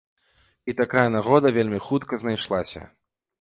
І такая нагода вельмі хутка знайшлася.